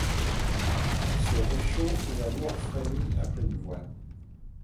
Ce réchaud où la mort frémit à pleine voix